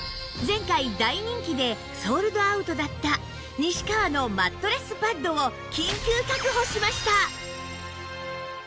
前回大人気でソールドアウトだった西川のマットレスパッドを緊急確保しました